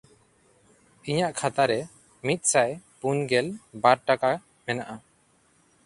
ᱤᱧᱟᱜ ᱠᱷᱟᱛᱟ ᱨᱮ ᱢᱤᱫᱥᱟᱭ ᱯᱩᱱᱜᱮᱞ ᱵᱟᱨ ᱴᱟᱠᱟ ᱢᱮᱱᱟᱜᱼᱟ᱾